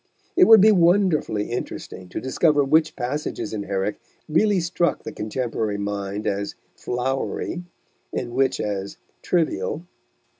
It would be wonderfully interesting to discover which passages in Herrick really struck the contemporary mind as "flowery," and which as "trivial."